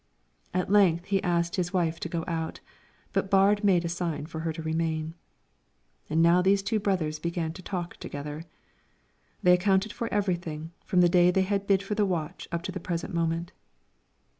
At length he asked his wife to go out, but Baard made a sign to her to remain; and now these two brothers began to talk together. They accounted for everything from the day they had bid for the watch up to the present moment.